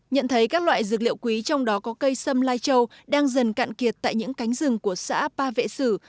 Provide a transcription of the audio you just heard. nhận thấy các loại dược liệu quý trong đó có cây sâm lai châu đang dần cạn kiệt tại những cánh rừng của xã ba vệ sử